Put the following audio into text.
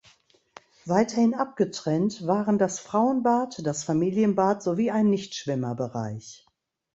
Weiterhin abgetrennt waren das Frauenbad, das Familienbad sowie ein Nichtschwimmerbereich.